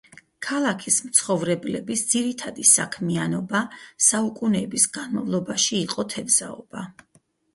ქალაქის მცხოვრებლების ძირითადი საქმიანობა საუკუნეების განმავლობაში იყო თევზაობა.